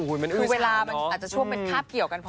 คือเวลามันอาจจะช่วงเป็นคาบเกี่ยวกันพอ